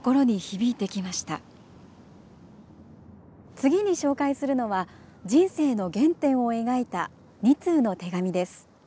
次に紹介するのは人生の原点を描いた２通の手紙です。